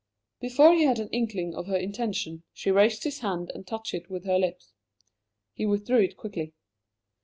Before he had an inkling of her intention, she raised his hand and touched it with her lips. He withdrew it quickly.